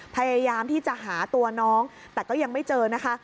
พยายามที่จะหาตัวน้องแต่ก็ยังไม่เจอนะคะ